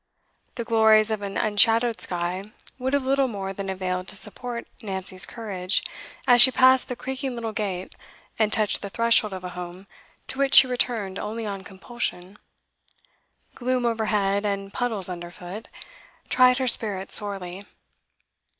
The glories of an unshadowed sky would have little more than availed to support Nancy's courage as she passed the creaking little gate and touched the threshold of a home to which she returned only on compulsion; gloom overhead, and puddles underfoot, tried her spirit sorely.